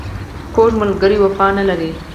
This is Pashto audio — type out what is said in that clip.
کوږ ملګری وفا نه لري